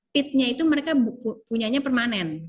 pitnya itu mereka punya nya permanen